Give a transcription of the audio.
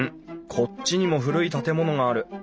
こっちにも古い建物がある。